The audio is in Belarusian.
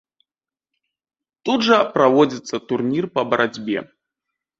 Тут жа праводзіцца турнір па барацьбе.